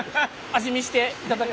味見していただきましょう。